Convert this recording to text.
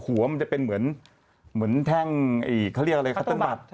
หัวมันจะเป็นเหมือนแท่งคัตเติ้ลบัตร